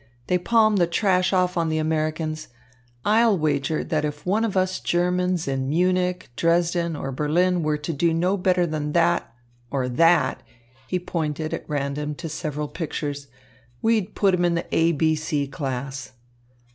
They palm the trash off on the Americans. I'll wager that if one of us Germans in Munich, Dresden, or Berlin were to do no better than that, or that" he pointed at random to several pictures "we'd put him in the A B C class."